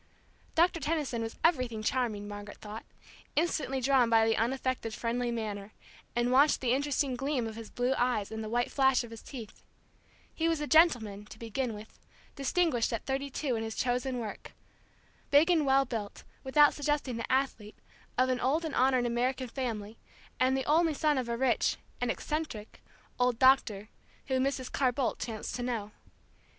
Doctor Tension was everything charming, Margaret thought, instantly drawn by the unaffected, friendly manner, and watching the interested gleam of his blue eyes and the white flash of his teeth He was a gentleman, to begin with; distinguished at thirty two in his chosen work; big and well built, without suggesting the athlete, of an old and honored American family, and the only son of a rich and eccentric old doctor whom Mrs. Carr Bolt chanced to know.